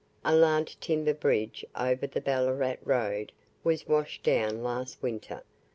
A large timber bridge over the Ballarat road was washed down last winter.